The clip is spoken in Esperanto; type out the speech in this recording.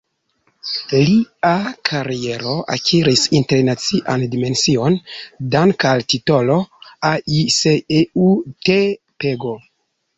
Lia kariero akiris internacian dimension danke al titolo "Ai se eu te pego".